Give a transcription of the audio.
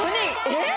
えっ？